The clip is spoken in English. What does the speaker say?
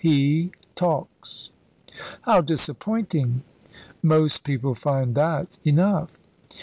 He talks." "How disappointing!" "Most people find that enough."